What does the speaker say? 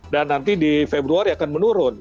dan nanti di februari akan menurun